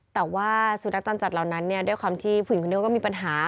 แต่ว่าสุนัขจรจัดเหล่านั้นด้วยความที่ผู้หญิงคนนี้ก็มีปัญหา